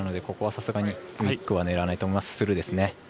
ここはさすがにウィックは狙わないと思います。